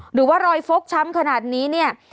หรือว่ารอยฟกช้ำขนาดนี้เนี่ย